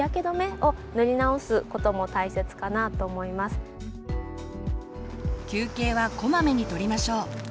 そして休憩はこまめにとりましょう。